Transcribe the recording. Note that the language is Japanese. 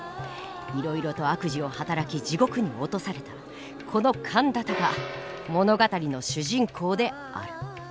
いろいろと悪事を働き地獄に落とされたこの陀多が物語の主人公である。